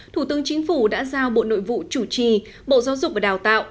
thủ tướng chính phủ đã giao bộ nội vụ chủ trì bộ giáo dục và đào tạo